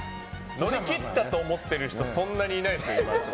乗り切ったと思ってる人そんなにいないですよ。